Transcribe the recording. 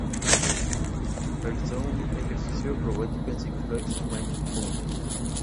Realizó un ejercicio acrobático en Six Flags Magic Mountain.